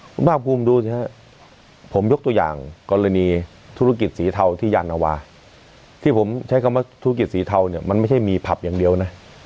คุณภาคภูมิดูสิฮะผมยกตัวอย่างกรณีธุรกิจสีเทาที่ยานวาที่ผมใช้คำว่าธุรกิจสีเทาเนี่ยมันไม่ใช่มีผับอย่างเดียวนะ